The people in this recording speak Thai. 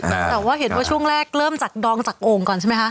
แต่ว่าเห็นว่าช่วงแรกเริ่มจากดองจากโอ่งก่อนใช่ไหมคะ